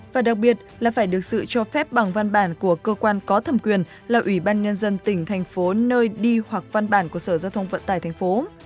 và đặc biệt là phải được sự cho phép bằng văn bản của cơ quan có thẩm quyền là ủy ban nhân dân tỉnh thành phố nơi đi hoặc văn bản của sở giao thông vận tải thành phố